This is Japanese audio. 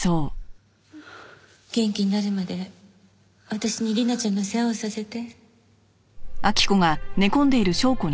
元気になるまで私に里奈ちゃんの世話をさせて。